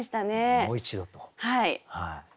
もう一度と。